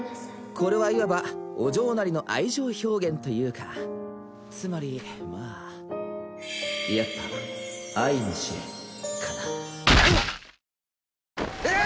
これはいわばお嬢なりの愛情表現というかつまりまあやっぱ愛の試練かなうっ！